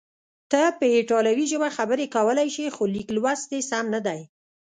ته په ایټالوي ژبه خبرې کولای شې، خو لیک لوست دې سم نه دی.